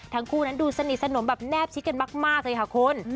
ทั้งคู่นั้นดูสนิทสนมแบบแนบชิดกันมากเลยค่ะคุณ